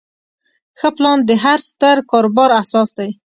ښه پلان د هر ستر کاروبار اساس دی.